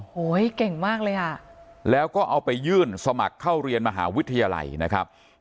เก่งมากเลยอ่ะแล้วก็เอาไปยื่นสมัครเข้าเรียนมหาวิทยาลัยนะครับ